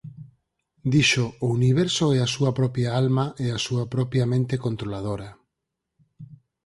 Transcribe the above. Dixo "o universo é a súa propia alma e a súa propia mente controladora".